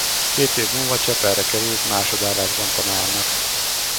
Két év múlva Csepelre került másodállásban tanárnak.